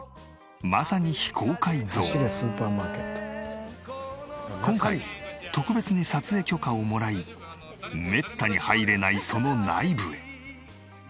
まさに今回特別に撮影許可をもらいめったに入れないその内部へ。